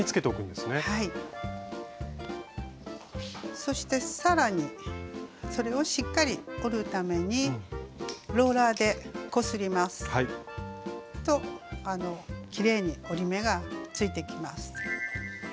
そしてさらにそれをしっかり折るためにローラーでこすりますときれいに折り目がついてきます。